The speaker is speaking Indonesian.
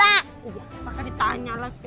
iya makanya ditanya lah sih